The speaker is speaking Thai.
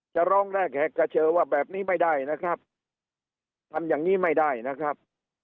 จะร้องแรกแหกกระเชอว่าแบบนี้ไม่ได้นะครับทำอย่างนี้ไม่ได้นะครับ